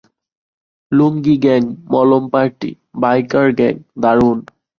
লুঙ্গি gang, মলম party, biker gang, দারুন।